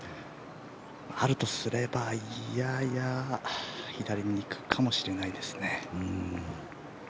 あるとすれば、やや左に行くかもしれないですね。